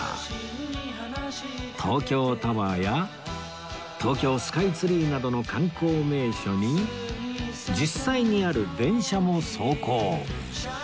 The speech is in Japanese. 東京タワーや東京スカイツリーなどの観光名所に実際にある電車も走行